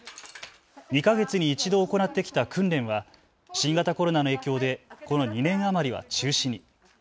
２か月に１度、行ってきた訓練は新型コロナの影響でこの２年余りは中止に。